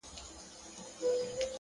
مثبت ذهن پر امکاناتو تمرکز کوي,